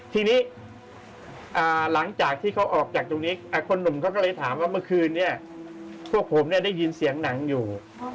ทีนี้หลังจากที่เขาออกจากตรงนี้คนหนุ่มเขาก็เลยถามว่าเมื่อคืนนี้พวกผมได้ยินเสียงหนังอยู่